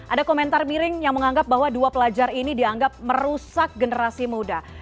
ada komentar miring yang menganggap bahwa dua pelajar ini dianggap merusak generasi muda